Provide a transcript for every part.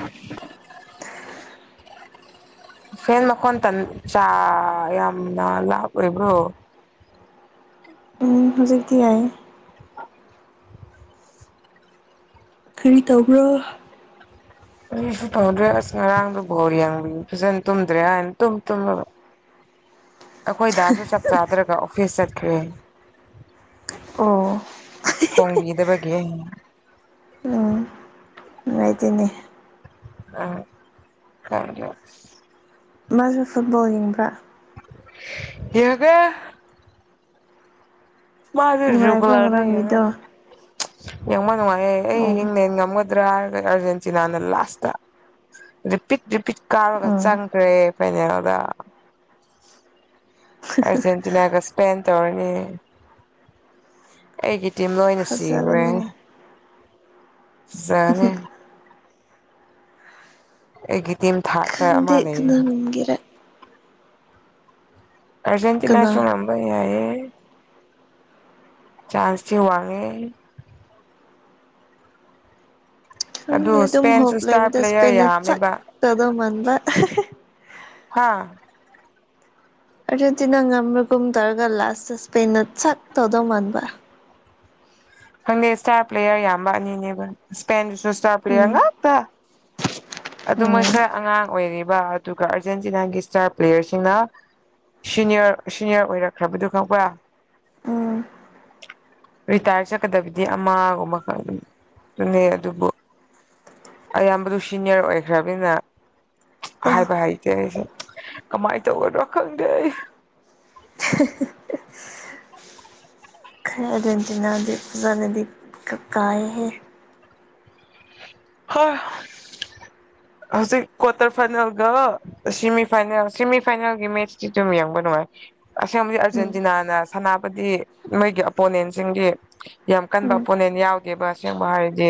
[inaudible] ꯐꯦꯟ ꯃꯈꯣꯟ ꯇꯟ ꯆꯥ ꯌꯥꯝꯅ ꯂꯥꯎꯗ ꯑꯣꯏꯕ꯭ꯔꯣ ꯎꯝ ꯍꯧꯖꯤꯛꯇꯤ ꯌꯥꯢꯌꯦ ꯀꯔꯤ ꯇꯧꯕ꯭ꯔꯣ ꯀꯩꯁꯨ ꯇꯧꯗ꯭ꯔꯦ ꯑꯁ ꯉꯔꯥꯡꯗꯣ ꯕꯣꯜ ꯌꯦꯡꯕ ꯐꯖꯅ ꯇꯨꯝꯗ꯭ꯔꯦ ꯍꯥꯏꯅ ꯇꯨꯝ ꯇꯨꯝꯂꯒ ꯑꯩꯈꯣꯏ ꯗꯥꯁꯨ ꯆꯥꯛ ꯆꯥꯗ꯭ꯔꯒ ꯑꯣꯐꯤꯁ ꯆꯠꯈ꯭ꯔꯦ ꯑꯣ ꯊꯣꯡꯕꯤꯗꯕꯒꯤ ꯑꯩꯅꯥ ꯂꯩꯇꯦꯅꯦ ꯑꯝ ꯀ [unintelligible] ꯃꯥꯁꯨ ꯐꯨꯠꯕꯣꯜ ꯌꯦꯡꯕ꯭ꯔꯥ ꯌꯦꯡꯗꯦ ꯃꯥꯁꯨ [unintelligible] ꯅꯨꯡꯉꯥꯏꯕ꯭ꯔꯥ ꯌꯦꯡꯉꯦ ꯉꯔꯥꯡꯒꯤꯗꯣ ꯌꯦꯡꯕ ꯅꯨꯡꯉꯥꯏꯑꯦ ꯑꯩ ꯑꯣ ꯏꯪꯡꯂꯦꯟ ꯉꯝꯒ ꯇ꯭ꯔꯥ ꯑꯦꯔꯖꯦꯟꯇꯤꯅ ꯂꯥꯁꯇ ꯔꯤꯄꯤꯠ ꯔꯤꯄꯤꯠ ꯀꯥꯎꯔꯒ ꯎꯝ ꯆꯪꯈ꯭ꯔꯦ ꯐꯩꯅꯦꯜꯗ ꯑꯔꯖꯦꯟꯇꯤꯅꯥꯒ ꯁꯄꯦꯟ ꯇꯧꯔꯅꯤ ꯑꯩꯒꯤꯗꯤ ꯂꯣꯏꯅ ꯁꯤꯈ꯭ꯔꯦ ꯐꯖꯕꯅꯤꯅꯦ ꯆꯥꯅꯤ ꯑꯩꯒꯤ ꯇꯤꯝ ꯊꯥꯔꯇ ꯑꯃ ꯂꯩꯌꯦ ꯔ [unintelligible] ꯀꯅꯥ ꯑꯔꯖꯦꯟꯇꯤꯅꯥꯁꯨ ꯉꯝꯕ ꯌꯥꯏꯌꯦ ꯆꯥꯟꯁꯇꯤ ꯋꯥꯡꯉꯦ ꯑꯗꯨ ꯈꯪꯗꯦ ꯑꯗꯨꯝ ꯏꯁꯄꯦꯟꯁꯨ ꯍꯣꯞ ꯏꯁꯇꯥꯔ ꯂꯩꯕꯗ ꯄ꯭ꯂꯦꯌꯔ ꯏꯁꯄꯦꯟꯅ ꯆꯛ ꯌꯥꯝꯃꯦꯕ ꯇꯧꯗꯧ ꯃꯥꯟꯕ ꯍꯥꯥ ꯑꯔꯖꯦꯟꯇꯤꯅ ꯉꯝꯕꯒꯨꯝ ꯇꯧꯔꯒ ꯂꯥꯁꯇ ꯏꯁꯄꯦꯟ ꯁꯛ ꯇꯧꯗꯧ ꯃꯥꯟꯕ ꯈꯪꯗꯦ ꯏꯁꯇꯥꯔ ꯄ꯭ꯂꯦꯌꯔ ꯌꯥꯝ ꯋꯥꯅꯤꯅꯦꯕ ꯏꯁꯄꯦꯟꯗꯨꯁꯨ ꯏꯁꯇꯥꯔ ꯄ꯭ꯂꯦꯌꯔ ꯉꯥꯛꯇ ꯍ [inaudible] ꯑꯗꯨ ꯃꯣꯏ ꯈꯔ ꯑꯉꯥꯡ ꯑꯣꯏꯔꯤꯕ ꯑꯗꯨꯒ ꯑꯥꯔꯖꯦꯟꯇꯤꯅꯥꯒꯤ ꯏꯁꯇꯥꯔ ꯄ꯭ꯂꯦꯌꯔꯁꯤꯡꯅ ꯁꯤꯅꯤꯌꯔ ꯁꯤꯅꯤꯌꯔ ꯑꯣꯏꯔꯛꯈ꯭ꯔꯕꯗꯨ ꯈꯪꯕ꯭ꯔꯥ ꯎꯝ ꯔꯤꯇꯥꯌꯥꯔꯁ ꯆꯛꯀꯗꯕꯗꯤ ꯑꯃꯒꯨꯝꯕ ꯈꯛ ꯑꯅꯤ ꯑꯗꯨꯕꯨ ꯑꯌꯥꯝꯕꯗꯨ ꯁꯤꯅꯤꯌꯔ ꯑꯣꯏꯈ꯭ꯔꯕꯅꯤꯅ ꯑꯣ ꯍꯥꯏꯕ ꯍꯩꯇꯦ ꯑꯩꯁꯦ ꯀꯃꯥꯏꯅ ꯇꯧꯒꯗ꯭ꯔꯣ ꯈꯪꯗꯦ ꯑꯩ [unintelligible] ꯑꯔꯖꯦꯟꯇꯤꯅꯥꯗꯣ ꯐꯖꯥꯅꯗꯤ ꯀꯥ ꯀꯥꯢ ꯍꯦ ꯍꯣꯏ ꯍꯧꯖꯤꯛ ꯀ꯭ꯋꯥꯔꯇꯔ ꯐꯥꯏꯅꯦꯜꯒ ꯁꯤꯃꯤꯐꯥꯏꯅꯦꯜ ꯁꯤꯦꯃꯤꯐꯥꯏꯅꯦꯜꯒꯤ ꯃꯦꯠꯆꯇꯤ ꯑꯗꯨꯝ ꯌꯦꯡꯕ ꯅꯨꯡꯉꯥꯏ ꯑꯁꯦꯡꯕꯗꯤ ꯎꯝ ꯑꯔꯖꯦꯟꯇꯤꯅꯥꯅ ꯁꯥꯟꯅꯕꯗꯤ ꯅꯣꯏꯒꯤ ꯑꯄꯣꯅꯦꯟꯁꯤꯡꯒꯤ ꯌꯥꯝ ꯀꯟꯕ ꯎꯝ ꯑꯣꯄꯣꯅꯦꯟ ꯌꯥꯎꯗꯦꯕ ꯑꯁꯦꯡꯕ ꯍꯥꯏꯔꯗꯤ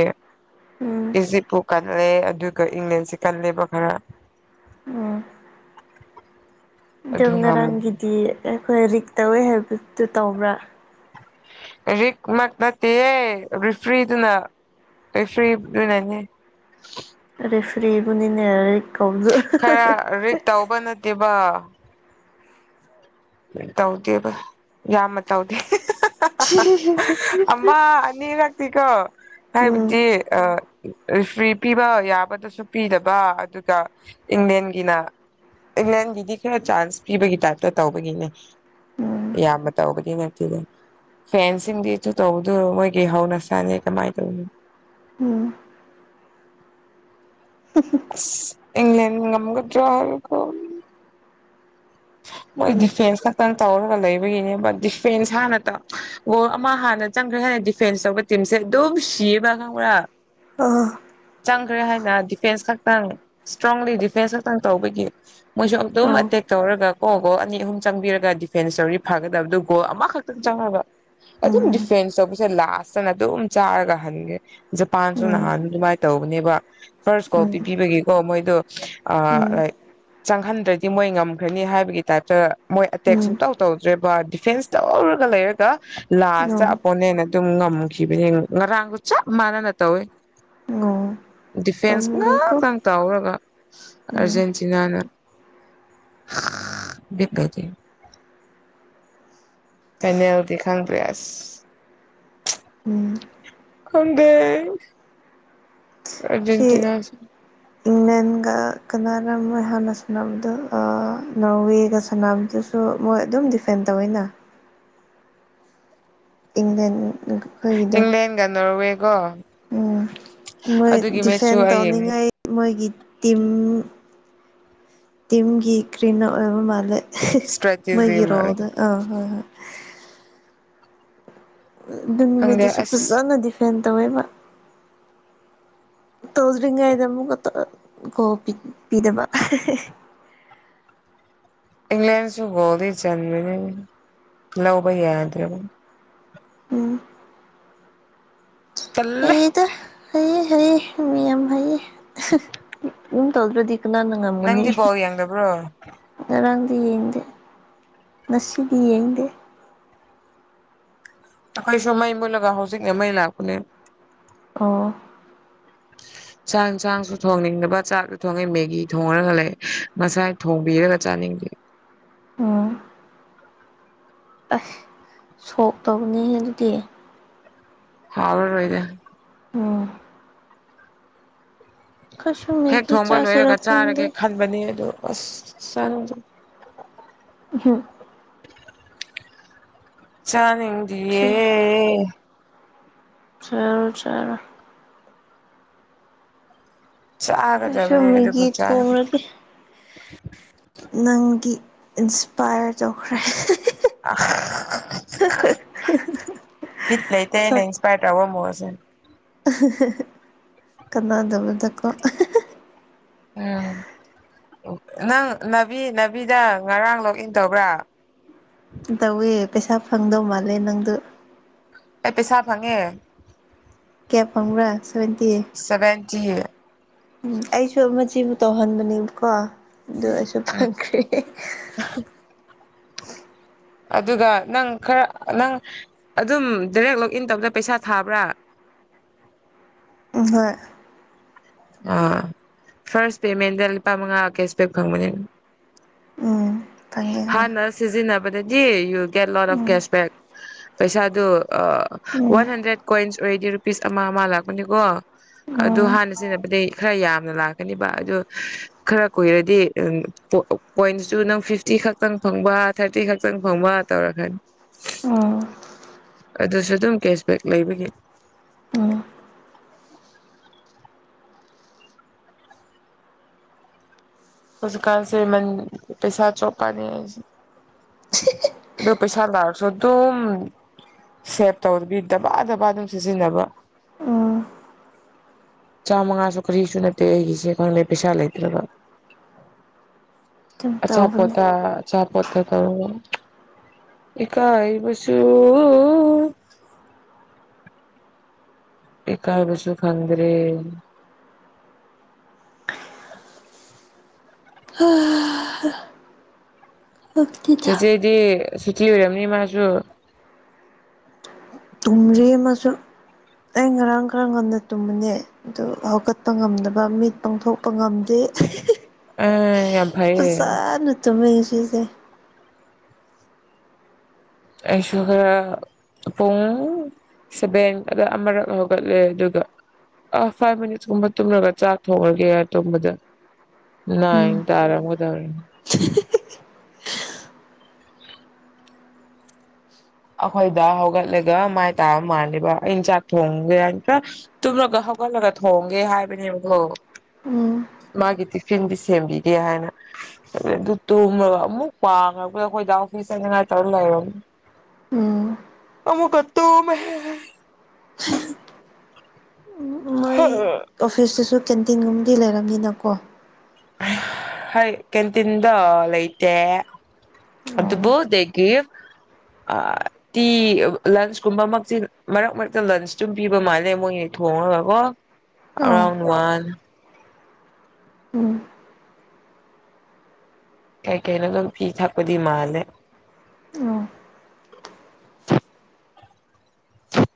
ꯎꯝ ꯏꯖꯤꯞꯄꯨ ꯀꯜꯂꯦ ꯑꯗꯨꯒ ꯏꯪꯂꯦꯟꯁꯤ ꯀꯜꯂꯦꯕ ꯈꯔ ꯎꯝ ꯑꯗꯣ ꯑꯗꯨ ꯉꯝꯃꯨ ꯉꯔꯥꯡꯒꯤꯗꯤ ꯑꯩꯈꯣꯏ ꯔꯤꯛ ꯇꯧꯋꯦ ꯍꯥꯏꯕꯗꯨ ꯇꯧꯕ꯭ꯔꯥ ꯔꯤꯛ ꯃꯛ ꯅꯠꯇꯤꯌꯦ ꯔꯤꯐ꯭ꯔꯤꯗꯨꯅ ꯔꯤꯐ꯭ꯔꯤ ꯗꯨꯅꯅꯤ ꯔꯤꯐ꯭ꯔꯤꯕꯨꯅꯤꯅꯦ ꯈꯔ ꯔꯤꯛ ꯇꯧꯕ ꯅꯠꯇꯦꯕ ꯂꯣꯢ ꯇꯧꯗꯦ ꯌꯥꯝꯃ ꯇꯧꯗꯦ [unintelligible] ꯑꯃ ꯑꯅꯤꯔꯛꯇꯤꯀꯣ ꯎꯝ ꯍꯥꯏꯕꯗꯤ ꯑ ꯔꯤꯐ꯭ꯔꯤ ꯄꯤꯕ ꯌꯥꯕꯗꯁꯨ ꯄꯤꯗꯕ ꯑꯗꯨꯒ ꯏꯪꯂꯦꯟꯒꯤꯅ ꯏꯪꯂꯦꯟꯒꯤꯗꯤ ꯈꯔ ꯆꯥꯟꯁ ꯄꯤꯕꯒꯤ ꯇꯥꯏꯞꯇ ꯇꯧꯕꯅꯤꯅꯦ ꯎꯝ ꯌꯥꯝꯅ ꯇꯧꯕꯗꯤ ꯅꯠꯇꯦꯗ ꯐꯦꯟꯁ ꯁꯤꯡꯗꯤ ꯑꯗꯨ ꯇꯧꯕꯗꯨ ꯃꯣꯏꯒꯤ ꯍꯧꯅꯁꯥꯅꯦ ꯀꯃꯥꯏꯟ ꯇꯧꯅꯤ ꯎꯝ ꯑꯁ ꯏꯪꯂꯦꯟꯅ ꯉꯝꯒꯗ꯭ꯔꯣ ꯀꯣ ꯃꯣꯏ ꯎꯝ ꯗꯤꯐꯦꯟꯁ ꯈꯛꯇꯪ ꯇꯧꯔꯒ ꯂꯩꯕꯒꯤꯅꯦꯕ ꯗꯤꯐꯦꯟꯁ ꯍꯥꯟꯅ ꯇ ꯒꯣꯜ ꯑꯃ ꯍꯥꯟꯅ ꯆꯪꯈ꯭ꯔꯦ ꯍꯥꯏꯅ ꯗꯤꯐꯦꯟꯁ ꯇꯧꯕ ꯇꯤꯝꯁꯦ ꯑꯗꯨꯝ ꯁꯤꯌꯦꯕ ꯈꯪꯕ꯭ꯔꯥ ꯑ ꯆꯪꯈ꯭ꯔꯦ ꯍꯥꯏꯅ ꯗꯤꯐꯦꯟꯁ ꯈꯛꯇꯪ ꯁ꯭ꯇꯔꯣꯡꯂꯤ ꯗꯤꯐꯦꯟꯁ ꯈꯛꯇꯪ ꯇꯧꯕꯒꯤ ꯃꯣꯏꯁꯨ ꯑꯗꯨꯝ ꯑꯧ ꯑꯦꯇꯦꯛ ꯇꯧꯔꯒ ꯀꯣ ꯒꯣꯜ ꯑꯅꯤ ꯑꯍꯨꯝ ꯆꯪꯕꯤꯔꯒ ꯗꯤꯐꯦꯟꯁ ꯇꯧꯔꯤ ꯐꯒꯗꯕꯗꯨ ꯒꯣꯜ ꯑꯃꯈꯛꯇꯪ ꯆꯪꯉꯒ ꯑꯗꯨꯝ ꯎꯝ ꯗꯤꯐꯦꯟꯁ ꯇꯧꯕꯁꯦ ꯂꯥꯁꯇꯅ ꯑꯗꯨꯝ ꯆꯥꯔꯒ ꯍꯟꯒꯦ ꯖꯄꯥꯟꯁꯨ ꯎꯝ ꯅꯍꯥꯟ ꯑꯗꯨꯃꯥꯏ ꯇꯧꯕꯅꯦꯕ ꯐꯥꯔꯁ ꯎꯝ ꯀꯣꯄꯤ ꯄꯤꯕꯒꯤꯀꯣ ꯃꯣꯏꯗꯣ ꯑ ꯎꯝ ꯂꯥꯏꯛ ꯆꯪꯍꯟꯗ꯭ꯔꯗꯤ ꯃꯣꯏ ꯉꯝꯈ꯭ꯔꯅꯤ ꯍꯥꯏꯕ ꯒꯤ ꯇꯥꯏꯞꯇ ꯃꯣꯏ ꯑꯦꯇꯦꯛ ꯎꯝ ꯁꯨꯡꯇꯧ ꯇꯧꯗ꯭ꯔꯦꯕ ꯗꯤꯐꯦꯟꯁ ꯇꯧꯔꯒ ꯂꯩꯔꯒ ꯂꯥꯁꯇ ꯎꯝ ꯑꯄꯣꯅꯦꯟꯅ ꯑꯗꯨꯝ ꯉꯝꯈꯤꯕꯅꯦ ꯉꯔꯥꯡꯒ ꯆꯞ ꯃꯥꯟꯅꯅ ꯇꯧꯋꯦ ꯎꯝ ꯗꯤꯐꯦꯟꯁ ꯄꯥꯝꯃꯨꯏꯀꯣ [unintelligible] ꯇꯥꯎꯔꯒ ꯎꯝ ꯑꯥꯔꯖꯦꯟꯇꯤꯅꯥꯅ [unintelligible] [unintelligible] ꯐꯥꯢꯅꯦꯜꯗꯤ ꯈꯪꯗ꯭ꯔꯦ ꯑꯁ ꯎꯝ ꯈꯪꯗꯦ ꯑꯥꯔꯖꯦꯟꯇꯤꯅꯥꯁꯦ ꯑꯦꯟꯒ ꯀꯅꯥꯔꯥ ꯃꯣꯢ ꯍꯥꯟꯅ ꯁꯥꯟꯅꯕꯗꯨ ꯑ ꯅꯣꯔꯋꯦꯒ ꯁꯥꯟꯅꯕꯗꯨ ꯗꯣ ꯃꯣꯏ ꯑꯗꯨꯝ ꯗꯤꯐꯦꯟ ꯇꯧꯋꯦꯅ ꯏꯪꯂꯦꯟꯒ ꯏꯪꯂꯦꯟꯒ ꯅꯣꯔꯋꯦꯒꯣ ꯎꯝ ꯃꯣꯏ ꯑꯗꯨꯒꯤ ꯃꯦꯠꯁꯁꯨ ꯗꯤꯐꯦꯟ ꯑꯩ ꯌꯦꯡꯗꯦ ꯇꯧꯅꯤꯡꯉꯥꯏ ꯃꯣꯏꯒꯤ ꯇꯤꯝ ꯇꯤꯝꯒꯤ ꯀ꯭ꯔꯤꯅꯣ ꯑꯣꯏꯕ ꯃꯥꯜꯂꯦ ꯏꯁꯇ꯭ꯔꯦꯇꯤꯖꯤ ꯃꯣꯏꯒꯤ ꯃꯥꯜꯂꯦ ꯔꯣꯗ ꯑ ꯍꯣꯏ ꯍꯣꯢ ꯑꯗꯨ ꯈꯪꯗꯦ ꯅꯨꯃꯤꯠꯗꯨꯁꯨ ꯑꯁ ꯐꯖꯅ ꯗꯤꯐꯦꯟ ꯇꯧꯋꯦꯕ ꯇꯧꯗ꯭ꯔꯤꯉꯩꯗ ꯑꯃꯨꯛꯀ ꯇꯣ ꯒꯣꯜ ꯄꯤ ꯄꯤꯗꯕ ꯏꯪꯂꯦꯟꯁꯨ ꯒꯣꯜꯗꯤ ꯆꯟꯕꯅꯦ ꯂꯧꯕ ꯌꯥꯗ꯭ꯔꯕ ꯎꯝ ꯇꯜꯂꯦ ꯇꯥ ꯍꯩꯌꯦ ꯍꯩꯌꯦ ꯃꯤ ꯌꯥꯝ ꯍꯩꯌꯦ ꯑꯗꯨꯝ ꯇꯧꯗ꯭ꯔꯗꯤ ꯀꯅꯥꯅ ꯉꯝꯒꯅꯤ ꯅꯪꯗꯤ ꯕꯣꯜ ꯌꯦꯡꯗꯕ꯭ꯔꯣ ꯉꯔꯥꯡꯗꯤ ꯌꯦꯡꯗꯦ ꯉꯁꯤꯗꯤ ꯌꯦꯡꯗꯦ ꯑꯩꯈꯣꯏꯁꯨ ꯃꯩ ꯃꯨꯠꯂꯒ ꯍꯧꯖꯤꯛꯅ ꯃꯩ ꯂꯥꯛꯄꯅꯦ ꯑꯣ [inaudible] ꯆꯥꯛ ꯆꯥꯡꯁꯨ ꯊꯣꯡꯅꯤꯡꯗꯕ ꯆꯥꯛꯁꯨ ꯊꯣꯡꯉꯦ ꯃꯦꯒꯤ ꯊꯣꯡꯔꯒ ꯂꯩ ꯉꯁꯥꯏ ꯊꯣꯡꯕꯤꯔꯒ ꯆꯥꯅꯤꯡꯗꯦ ꯎꯝ ꯑꯁ ꯁꯣꯛ ꯇꯧꯕꯅꯤ ꯑꯗꯨꯗꯤ ꯍꯥꯎꯔꯔꯣꯏꯗ ꯎꯝ ꯑꯩꯈꯣꯏꯁꯨ ꯍꯦꯛ ꯃꯦꯒꯤ ꯊꯣꯡꯕ ꯆꯥꯁꯤꯔ ꯂꯣꯏꯔꯒ ꯈꯪꯗꯦ ꯆꯥꯔꯒꯦ ꯈꯟꯕꯅꯦ ꯑꯗꯨ ꯑꯁ ꯆꯥꯅꯤꯡꯗꯦ ꯑꯍꯝ ꯆꯥꯅꯤꯡꯗꯤꯌꯦ ꯆꯔꯣ ꯆꯔꯣ ꯑꯩꯁꯨ ꯆꯥꯒꯗꯕꯅꯦ ꯑꯗꯨꯕꯨ ꯃꯦꯒꯤ ꯆꯥꯅꯤꯡ ꯊꯣꯡꯔꯒꯦ ꯅꯪꯒꯤ ꯏꯟꯁꯄꯥꯌꯔ ꯇꯧꯈ꯭ꯔꯦ ꯍꯥ ꯍ ꯍ ꯑꯍꯥ ꯍꯥ ꯍ ꯕꯤꯠ ꯂꯩꯇꯦꯅꯦ ꯏꯟꯁꯄꯌꯔ ꯇꯧ [unintelligible] ꯑꯍꯥ ꯍꯥ ꯍ ꯀꯅꯥꯗꯕꯗ ꯀꯣꯛ ꯎꯝ ꯅꯪ ꯅꯥꯕꯤ ꯅꯥꯕꯤꯗ ꯉꯔꯥꯡ ꯂꯣꯛ ꯏꯟ ꯇꯧꯕ꯭ꯔꯥ ꯇꯧꯋꯦ ꯄꯩꯁꯥ ꯐꯪꯗꯧ ꯃꯥꯜꯂꯦ ꯅꯪꯗꯣ ꯑꯩ ꯄꯩꯁꯥ ꯐꯪꯉꯦ ꯀꯌꯥ ꯐꯪꯕ꯭ꯔꯥ ꯁꯕꯦꯟꯇꯤ ꯁꯚꯦꯟꯇꯤ ꯎꯝ ꯑꯩꯁꯨ ꯃꯆꯦꯕꯨ ꯇꯧꯍꯟꯕꯅꯦꯕꯀꯣ ꯑꯗꯨ ꯑꯩꯁꯨ ꯐꯪꯈ꯭ꯔꯦ ꯑꯍꯥ ꯑꯗꯨꯒ ꯅꯪ ꯈꯔ ꯅꯪ ꯑꯗꯨꯝ ꯗꯥꯏꯔꯦꯛ ꯂꯣꯛ ꯏꯟ ꯇꯧꯕꯗ ꯄꯩꯁꯥ ꯊꯥꯕ꯭ꯔꯥ ꯎꯝ ꯍꯣꯏ ꯑꯥ ꯐꯥꯔꯁ ꯄꯦꯃꯦꯟꯗ ꯂꯨꯄꯥ ꯃꯉꯥ ꯀꯦꯁꯕꯦꯛ ꯐꯪꯕꯅꯦ ꯎꯝ ꯐꯪꯉꯦ ꯍꯣꯏ ꯍꯥꯟꯅ ꯁꯤꯖꯤꯟꯅꯕꯗꯗꯤ you get lot of um cashback ꯄꯩꯁꯥꯗꯨ ꯑꯥ ꯎꯝ ꯋꯥꯟ ꯍꯟꯗ꯭ꯔꯦꯠ ꯀꯣꯏꯟꯁ ꯑꯣꯏꯔꯗꯤ ꯔꯨꯄꯤꯁ ꯑꯃ ꯑꯃ ꯂꯥꯛꯄꯅꯤꯀꯣ ꯑꯗꯨ ꯎꯝ ꯍꯥꯟꯅ ꯁꯤꯖꯤꯟꯅꯕꯗꯩ ꯈꯔ ꯌꯥꯝꯅ ꯂꯥꯛꯀꯅꯤꯕ ꯑꯗꯨ ꯈꯔ ꯀꯨꯏꯔꯗꯤ ꯑꯝ ꯄꯣ ꯄꯣꯏꯟꯇꯨꯁꯨ ꯅꯪ ꯐꯤꯞ ꯇꯤ ꯈꯛꯇꯪ ꯐꯪꯕ ꯊꯥꯔꯇꯤ ꯈꯛꯇꯪ ꯐꯪꯕ ꯇꯧꯔꯛꯀꯅꯤ ꯎꯝ ꯑꯗꯨꯁꯨ ꯑꯗꯨꯝ ꯀꯦꯁꯕꯦꯛ ꯂꯩꯕꯒꯤ ꯎꯝ ꯑꯣꯖꯤꯀꯥꯁꯦ ꯃꯟ ꯄꯩꯁꯥ ꯆꯣꯞꯄꯥꯅꯦ ꯑꯩꯖꯦ ꯑꯗꯨ ꯄꯩꯁꯥ ꯂꯥꯛꯔꯁꯨ ꯑꯗꯨꯝ ꯁꯦꯚ ꯇꯧꯗꯕꯤ ꯗꯕꯥ ꯗꯥꯕ ꯑꯗꯨꯝ ꯁꯤꯖꯤꯟꯅꯕ ꯎꯝ ꯆꯥꯝꯃꯉꯥꯁꯨ ꯀꯔꯤꯁꯨ ꯅꯠꯇꯦ ꯑꯩꯒꯤꯁꯦ ꯈꯪꯗꯦ ꯄꯩꯁꯥ ꯂꯩꯇ꯭ꯔꯒ ꯑꯗꯨꯝ ꯇꯧꯕꯅꯦ ꯑꯆꯥꯄꯣꯠꯇꯥ ꯑꯆꯥꯄꯣꯠꯇꯥ ꯀꯣ ꯏꯀꯥꯏꯕꯁꯨ ꯏꯀꯥꯏꯕꯁꯨ ꯈꯪꯗ꯭ꯔꯦ ꯂꯨꯞꯇꯤꯗ ꯗꯤ ꯁꯨꯇꯤ ꯑꯣꯏꯔꯝꯅꯤ ꯃꯥꯁꯨ ꯇꯨꯝꯔꯤ ꯑꯃꯁꯨ ꯑꯩ ꯉꯔꯥꯡ ꯈꯔ ꯉꯟꯅ ꯇꯨꯝꯕꯅꯦ ꯑꯗꯨ ꯍꯧꯒꯠꯄ ꯉꯝꯗꯕ ꯃꯤꯠ ꯄꯥꯡꯊꯣꯛꯄ ꯉꯝꯗꯦ ꯑ ꯍꯥ ꯍꯥ ꯑꯦ ꯌꯥꯝ ꯐꯩꯌꯦ ꯐꯖꯟꯅ ꯇꯨꯝꯃꯦ ꯉꯁꯤꯁꯦ ꯑꯩꯁꯨ ꯈꯔꯥ ꯄꯨꯡ ꯁꯦꯕꯦꯟ ꯑꯗ ꯑꯃꯔꯛ ꯍꯧꯒꯠꯂꯦ ꯑꯗꯨꯒ ꯑꯥ ꯐꯥꯏꯚ ꯃꯤꯅꯤꯠꯁ ꯀꯨꯝꯕ ꯇꯨꯝꯔꯒ ꯆꯥꯛ ꯊꯣꯡꯉꯒꯦ ꯇꯨꯝꯕꯗ ꯅꯥꯏꯟ ꯎꯝ ꯇꯥꯔꯝꯒꯗꯧꯔꯦ ꯑꯩꯈꯣꯏ ꯗꯥ ꯍꯧꯒꯠꯂꯒ ꯃꯥꯏ ꯇꯥꯕ ꯃꯥꯜꯂꯦꯕ ꯑꯩꯅ ꯆꯥꯛ ꯊꯣꯡꯒꯦ ꯍꯥꯏꯇꯥꯅ ꯇꯨꯝꯂꯒ ꯍꯧꯒꯠꯂꯒ ꯊꯣꯡꯒꯦ ꯍꯥꯏꯕꯅꯦꯕꯒꯣ ꯎꯝ ꯃꯥꯒꯤ ꯇꯤꯐꯤꯟꯗꯤ ꯁꯦꯝꯕꯤꯒꯦ ꯍꯥꯏꯅ ꯑꯗꯨ ꯇꯨꯝꯃꯒ ꯑꯃꯨꯛ ꯄꯥꯈ꯭ꯔꯕ ꯑꯩꯈꯣꯏ ꯗꯥ ꯑꯣꯐꯤꯁ ꯆꯠꯅꯉꯥꯏ ꯇꯧꯔ ꯂꯩꯔꯝ ꯎꯝ ꯑꯃꯨꯛꯀ ꯇꯨꯝꯃꯦꯍꯦ ꯃꯣꯏ [unintelligible] ꯑꯣꯐꯤꯁꯇꯁꯨ ꯀꯦꯟꯇꯤꯟꯒꯨꯝꯕꯗꯤ ꯂꯩꯔꯝꯅꯤꯅꯀꯣ ꯍꯣꯏ ꯀꯦꯟꯇꯤꯟꯗꯣ ꯂꯩꯩꯇꯦ ꯑꯣ ꯑꯗꯨꯕꯨ ꯗꯦꯒꯤ ꯑꯥ ꯇꯤ ꯂꯟꯁ ꯀꯨꯝꯕ ꯃꯛꯆꯤꯜ ꯃꯔꯛ ꯃꯔꯛꯇ ꯂꯟꯁꯇꯨꯝ ꯄꯤꯕ ꯃꯥꯜꯂꯦ ꯃꯣꯏꯒꯤ ꯊꯣꯡꯉꯒ ꯀꯣ ꯑꯣ ꯑꯔꯥꯎꯟ ꯋꯥꯟ ꯎꯝ ꯀꯩ ꯀꯩꯅꯣ ꯑꯗꯨꯝ ꯄꯤ ꯊꯛꯄꯗꯤ ꯃꯥꯜꯂꯦ ꯑꯝ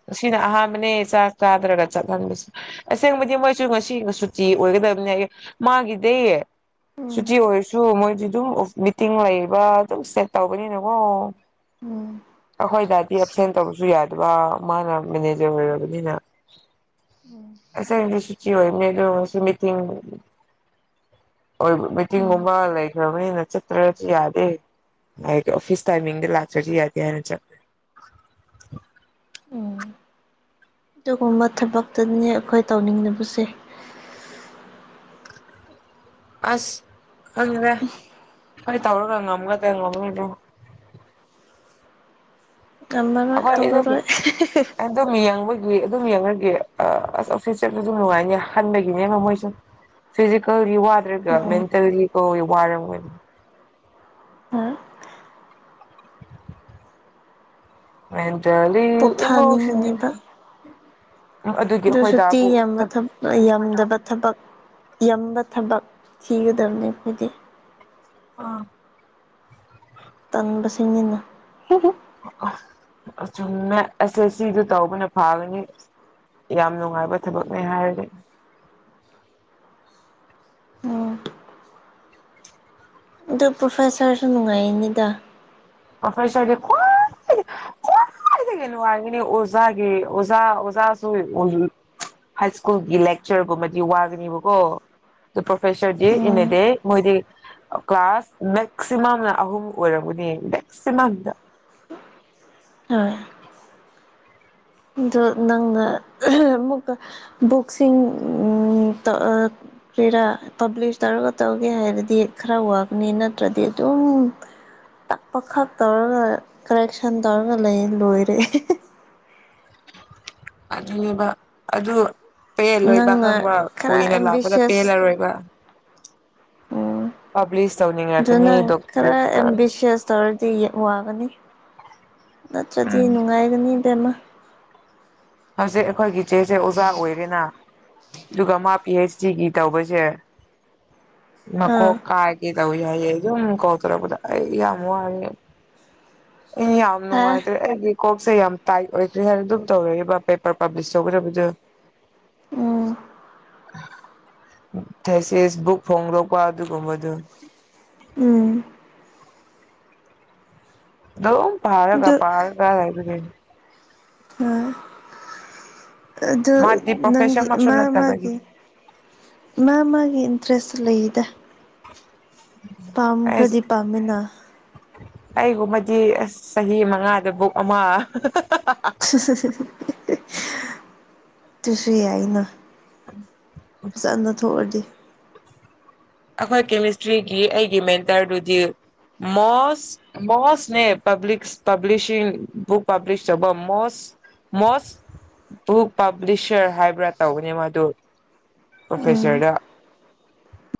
ꯉꯁꯤꯅ ꯑꯥꯍꯥꯟꯕꯅꯦ ꯆꯥꯛ ꯆꯥꯗ꯭ꯔꯒ ꯆꯠꯍꯜꯕꯁꯤ ꯑꯁꯦꯡꯕꯗꯤ ꯃꯣꯏꯁꯨ ꯉꯁꯤ ꯁꯨꯇꯤ ꯑꯣꯏꯒꯗꯝꯅꯦꯌꯦ ꯃꯥꯒꯤꯗꯤ ꯎꯝ ꯁꯨꯇꯤ ꯑꯣꯏꯔꯁꯨ ꯃꯣꯏꯗꯤ ꯑꯗꯨꯝ ꯑꯣꯐ ꯃꯤꯇꯤꯡ ꯂꯩꯕ ꯑꯗꯨꯝ ꯁꯦꯠ ꯇꯧꯕꯅꯤꯅꯀꯣ [inaudible] ꯑꯩꯈꯣꯏ ꯗꯥꯗꯤ ꯑꯦꯞꯁꯦꯟ ꯇꯧꯕꯁꯨ ꯌꯥꯗꯕꯥ ꯃꯥꯅ ꯃꯦꯅꯦꯖꯔ ꯑꯣꯏꯔꯕꯅꯤꯅ ꯎꯝ ꯉꯁꯥꯏꯗꯤ ꯁꯨꯇꯤ ꯑꯣꯏꯕꯅꯦꯗꯣ ꯉꯁꯤ ꯃꯤꯇꯤꯡ ꯑꯣꯏ ꯎꯝ ꯃꯤꯇꯤꯡꯒꯨꯝꯕ ꯂꯩꯈ꯭ꯔꯕꯅꯤꯅ ꯆꯠꯇ꯭ꯔꯖꯨ ꯌꯥꯗꯦ ꯍꯥꯏꯗꯤ ꯑꯣꯐꯤꯁ ꯇꯥꯏꯃꯤꯡꯗ ꯂꯥꯛꯇ꯭ꯔꯗꯤ ꯌꯥꯗꯦ ꯍꯥꯏꯅ ꯆꯠ ꯎꯝ ꯑꯗꯨꯒꯨꯝꯕ ꯊꯕꯛꯇꯨꯅꯤꯅꯦ ꯑꯩꯈꯣꯏ ꯇꯧꯅꯤꯡꯗꯕꯁꯦ ꯑꯁ ꯈꯪꯗꯦ ꯑꯈꯣꯏ ꯇꯧꯔꯒ ꯉꯝꯒꯗ꯭ꯔ ꯉꯝꯔꯣꯏꯗ꯭ꯔ ꯇꯝꯃꯔꯣꯏ ꯑꯩꯈꯣꯏ ꯑꯗꯨꯝ ꯇꯧꯔꯔꯣꯏ ꯑꯗꯨꯝ ꯌꯦꯡꯕꯒꯤ ꯑꯗꯨꯝ ꯌꯦꯡꯔꯒꯦ ꯑꯥ ꯑꯁ ꯑꯣꯐꯤꯁ ꯆꯠꯄꯗꯨ ꯅꯨꯡꯉꯥꯏꯅꯦ ꯈꯟꯕꯒꯤꯅꯦꯕ ꯃꯣꯏꯁꯨ ꯐꯤꯖꯤꯀꯦꯜꯒꯤ ꯋꯥꯗ꯭ꯔꯒ ꯎꯝ ꯃꯦꯟꯇꯦꯜꯂꯤ ꯀꯣꯒꯤ ꯋꯥꯔꯝꯒꯅꯤ ꯃꯦꯟꯇꯦꯜꯂꯤ ꯏꯃꯣꯁꯟ ꯄꯣꯊꯥꯅꯤꯡꯉꯅꯦꯕ ꯑꯗꯨꯒꯤ ꯑꯩꯈꯣꯏ ꯗꯥꯕꯨ ꯀꯛ ꯅꯣꯏ ꯌꯥꯝꯗꯕ ꯊꯕꯛ ꯌꯝꯕ ꯊꯕꯛ ꯊꯤꯒꯗꯝꯅꯦ ꯑꯩꯈꯣꯏꯗꯤ ꯑꯥ ꯇꯟꯕꯁꯤꯅꯤꯅꯦ ꯑꯁ ꯆꯨꯝꯃꯦ ꯑꯦꯁ ꯑꯦꯁ ꯁꯤꯗꯨ ꯇꯧꯕꯅ ꯐꯥꯒꯅꯤ ꯌꯥꯝ ꯅꯨꯡꯉꯥꯏꯕ ꯊꯕꯛꯅꯦ ꯍꯥꯏꯔꯗꯤ ꯎꯝ ꯑꯗꯣ ꯄ꯭ꯔꯣꯐꯦꯁꯥꯔꯁꯨ ꯅꯨꯡꯉꯥꯏꯅꯤꯗ ꯄ꯭ꯔꯣꯐꯦꯁꯥꯔꯗꯤ ꯈ꯭ꯋꯥꯏꯗꯒꯤ ꯈ꯭ꯋꯥꯏꯗꯒꯤ ꯅꯨꯡꯉꯥꯏꯕꯤꯅꯦ ꯑꯣꯖꯥꯒꯤ ꯑꯣꯖꯥ ꯑꯣꯖꯥꯁꯨ [unintelligible] ꯍꯥꯏ ꯁ꯭ꯀꯨꯜꯒꯤ ꯂꯦꯛꯆꯥꯔꯒꯨꯝꯕꯗꯤ ꯋꯥꯒꯅꯤꯕꯀꯣ ꯇꯣ ꯄ꯭ꯔꯣꯐꯦꯁꯥꯔꯗꯤ ꯎꯝ ꯏꯟꯑꯦꯗꯦ ꯃꯣꯏꯗꯤ ꯀ꯭ꯂꯥꯁ ꯃꯦꯛꯁꯤꯃꯝꯅ ꯑꯍꯨꯝ ꯑꯣꯏꯔꯝꯒꯅꯤ ꯃꯦꯛꯁꯤꯃꯝꯗ ꯍꯣꯢ ꯗꯣ ꯅꯪꯆ ꯑꯃꯨꯛꯀ ꯕꯨꯛꯁꯤꯡ ꯎꯝ ꯇꯥ ꯑꯥ ꯄꯦꯔꯥ ꯄꯕ꯭ꯂꯤꯁ ꯇꯧꯔꯒ ꯇꯧꯒꯦ ꯍꯥꯏꯔꯗꯤ ꯈꯔ ꯋꯥꯒꯅꯤ ꯅꯠꯇ꯭ꯔꯗꯤ ꯑꯗꯨꯝ ꯇꯥꯛꯄꯈꯛ ꯇꯧꯔꯒ ꯀꯔꯦꯛꯁꯟ ꯇꯧꯔꯒ ꯂꯩ ꯂꯣꯏꯔꯦ ꯑꯗꯨꯅꯤꯕ ꯑꯗꯨ ꯄꯦꯜꯂꯣꯏꯕ ꯅꯪꯅ ꯈꯪꯕ꯭ꯔꯥ ꯈꯔ ꯀꯨꯏꯅ ꯂꯥꯛꯄꯗ ꯑꯦꯝꯕꯤꯁꯤꯌꯁ ꯄꯦꯜꯂꯔꯣꯏꯕ ꯎꯝ ꯄꯥꯕ꯭ꯂꯤꯁ ꯑꯗꯨ ꯇꯧꯅꯤꯡꯉꯛꯀꯅꯤ ꯅꯪ ꯈꯔ ꯗꯣꯛꯇꯔꯦꯠ ꯑꯦꯝꯕꯤꯁ꯭ꯌꯁ ꯇꯧꯔꯗꯤ ꯋꯥꯒꯅꯤ ꯅꯠꯇ꯭ꯔꯗꯤ ꯅꯨꯡꯉꯥꯏꯒꯅꯤ ꯏꯕꯦꯝꯃ ꯍꯧꯖꯤꯛ ꯑꯈꯣꯏꯒꯤ ꯏꯆꯦꯁꯦ ꯑꯣꯖꯥ ꯑꯣꯏꯔꯦꯅꯥ ꯑꯗꯨꯒ ꯃꯥ ꯄꯤ ꯍꯩꯁ ꯗꯤ ꯒꯤ ꯇꯧꯕꯁꯦ ꯃꯀꯣꯛ ꯑꯥ ꯀꯥꯏꯒꯦ ꯇꯧꯋꯤ ꯍꯥꯏꯌꯦ ꯑꯗꯨꯝ ꯀꯣꯜ ꯇꯧꯔꯛꯄꯗ ꯑꯩ ꯌꯥꯝ ꯋꯥꯢꯌꯦ ꯑꯩ ꯌꯥꯝ ꯍꯥ ꯅꯨꯡꯉꯥꯏꯇ꯭ꯔꯦ ꯑꯩꯒꯤ ꯀꯣꯛꯁꯦ ꯌꯥꯝ ꯇꯥꯏꯠ ꯑꯣꯏꯈ꯭ꯔꯦ ꯍꯥꯏꯅ ꯑꯗꯨꯝ ꯇꯧꯔꯛꯑꯕ ꯄꯦꯄꯔ ꯄꯥꯕ꯭ꯂꯤꯁ ꯇꯧꯒꯗꯕꯗꯨ ꯎꯝ ꯊꯦꯁꯤꯁ ꯕꯨꯛ ꯐꯣꯡꯗꯣꯛꯄ ꯑꯗꯨꯒꯨꯝꯕꯗꯨ ꯎꯝ ꯗꯨꯝ ꯄꯥꯔꯒ ꯑꯗꯨ ꯄꯥꯔꯒ [unintelligible] ꯑꯗꯨ ꯃꯥꯗꯤ ꯅꯪꯒꯤ ꯄ꯭ꯔꯣꯐꯦꯁꯔꯃꯛꯁꯨ ꯑꯃ ꯃꯥꯒꯤ ꯅꯠꯇꯕꯒꯤꯅꯤ ꯢꯃꯥ ꯃꯥꯒꯤ ꯏꯟꯇ꯭ꯔꯦꯁꯇ ꯂꯩꯗ ꯑꯩꯁ ꯄꯥꯝꯈ꯭ꯔꯗꯤ ꯄꯥꯝꯃꯤꯅ ꯑꯩꯒꯨꯝꯕꯗꯤ ꯑꯁ ꯆꯍꯤ ꯃꯉꯥꯗ ꯕꯨꯛ ꯑꯃ [unintelligible] [unintelligible] ꯇꯨꯁꯨ ꯌꯥꯏꯌꯦꯅ ꯐꯖꯟ ꯂꯧꯊꯣꯛꯔꯗꯤ ꯑꯈꯣꯏ ꯀꯦꯃꯦꯁꯇ꯭ꯔꯤꯒꯤ ꯑꯩꯒꯤ ꯃꯦꯟꯇꯔꯗꯨꯗꯤ ꯃꯣꯁ ꯃꯣꯁꯅꯦ ꯄꯕ꯭ꯂꯤꯛꯁ ꯄꯕ꯭ꯂꯤꯁꯤꯡ ꯕꯨꯛ ꯄꯕ꯭ꯂꯤꯁ ꯇꯧꯕ ꯃꯣꯁ ꯃꯣꯁ ꯕꯨꯛ ꯄꯕ꯭ꯂꯤꯁꯔ ꯍꯥꯏꯕ꯭ꯔꯥ ꯇꯧꯕꯅꯦ ꯃꯥꯗꯨ ꯎꯝ ꯄ꯭ꯔꯣꯐꯦꯁꯔꯗ